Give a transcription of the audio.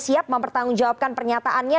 siap mempertanggungjawabkan pernyataannya